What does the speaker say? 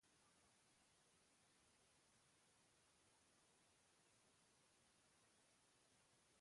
Armariotik irten eta irteteko bidean dauden hiru lagunen istorioak.